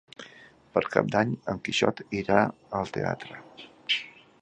Per Cap d'Any en Quixot irà al teatre.